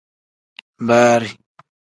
Baari.